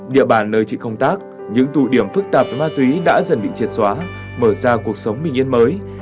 địa bàn nơi chị công tác những tụ điểm phức tạp về ma túy đã dần bị triệt xóa mở ra cuộc sống bình yên mới